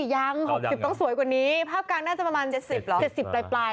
ยัง๖๐ต้องสวยกว่านี้ภาพกลางน่าจะประมาณ๗๐เหรอ๗๐ปลาย